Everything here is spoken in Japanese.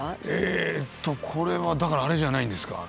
えっとこれはだからあれじゃないんですか